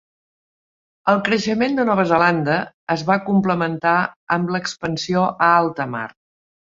El creixement de Nova Zelanda es va complementar amb l'expansió a alta mar.